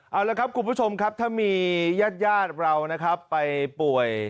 เอาละครับคุณผู้ชมครับถ้ามีญาติญาติเรานะครับไปป่วย